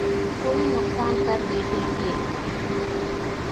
کوئی نقصان کر بیٹھیں گے